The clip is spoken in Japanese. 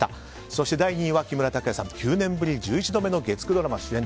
そして第２位は木村拓哉さん、９年ぶり１１度目の月９ドラマ主演。